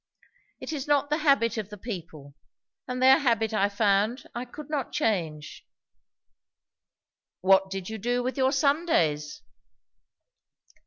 "It is not the habit of the people. And their habit, I found, I could not change." "What did you do with your Sundays?"